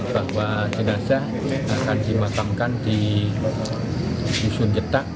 bahwa jenazah akan dimasamkan di isun jetang